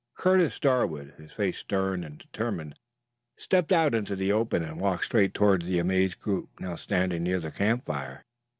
Curtis Darwood, his face stern and determined, stepped out into the open and walked straight towards the amazed group now standing near the campfire.